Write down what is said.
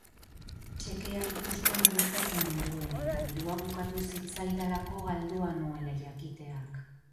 Txekea ikusteak bultzatu ninduen, eta dirua bukatu zitzaidalako galdua nuela jakiteak.